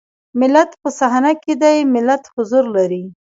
ملت په صحنه کې دی ملت حضور لري.